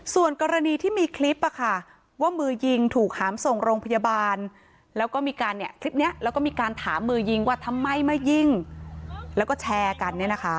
ส่วนกรณีที่มีคลิปว่ามือยิงถูกหามส่งโรงพยาบาลแล้วก็มีการคลิปนี้แล้วก็มีการถามมือยิงว่าทำไมมายิงแล้วก็แชร์กัน